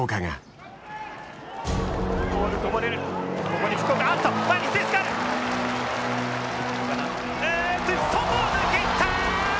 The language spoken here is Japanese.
うん外を抜いていった！